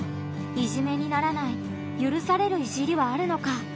「いじめ」にならないゆるされる「いじり」はあるのか。